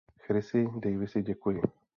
Chrisi Daviesi, děkuji!